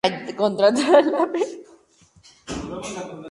El gobierno introdujo un número de reformas económicas importantes en ese período.